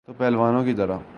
تو پہلوانوں کی طرح۔